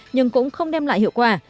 nhưng cũng không đem lại hiệu quả